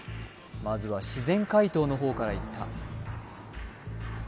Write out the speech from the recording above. まずは自然解凍の方からいった